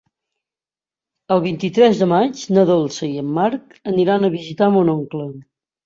El vint-i-tres de maig na Dolça i en Marc aniran a visitar mon oncle.